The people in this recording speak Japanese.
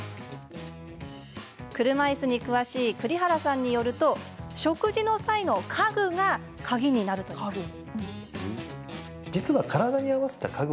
車いすに詳しい栗原さんによると食事の際の家具がカギになるといいます。